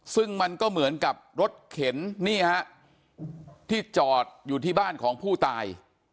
ซึ่งมันก็เหมือนกับรถเข็นนี่ฮะที่จอดอยู่ที่บ้านของผู้ตาย